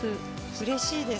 うれしいです。